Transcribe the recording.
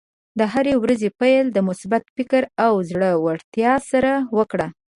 د هرې ورځې پیل د مثبت فکر او زړۀ ورتیا سره وکړه.